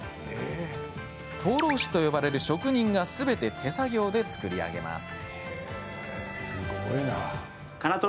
灯籠師と呼ばれる職人がすべて手作業で作り上げます。